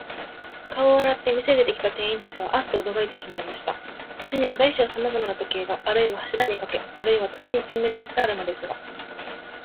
顔を洗って、店へ出てきた店員たちは、アッとおどろいてしまいました。店には大小さまざまの時計が、あるいは柱にかけ、あるいは棚に陳列してあるのですが、